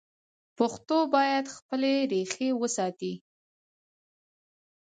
پښتو باید خپلې ریښې وساتي.